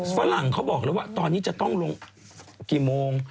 ฝรั่งเขาบอกแล้วว่าตอนนี้จะต้องลงกี่โมง